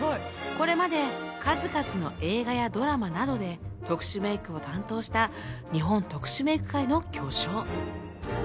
これまで数々の映画やドラマなどで特殊メイクを担当した日本特殊メイク界の巨匠